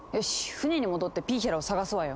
船に戻ってピーヒャラを探すわよ。